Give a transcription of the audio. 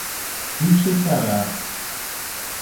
Кидше чара.